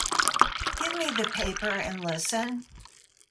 Give me the paper and listen.